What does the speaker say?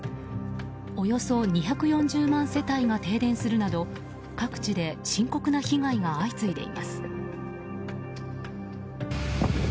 およそ２４０万世帯が停電するなど各地で深刻な被害が相次いでいます。